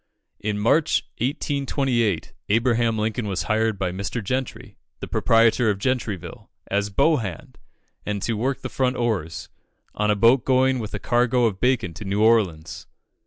In March, 1828, Abraham Lincoln was hired by Mr. Gentry, the proprietor of Gentryville, as "bow hand," and "to work the front oars," on a boat going with a cargo of bacon to New Orleans.